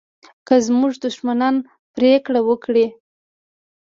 که زموږ دښمنان پرېکړه وکړي